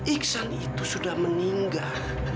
iksan itu sudah meninggal